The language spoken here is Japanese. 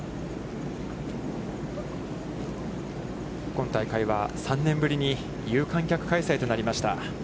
今大会は３年ぶりに有観客開催となりました。